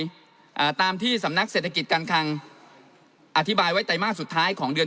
อ่าตามที่สำนักเศรษฐกิจการคังอธิบายไว้ไตรมาสสุดท้ายของเดือน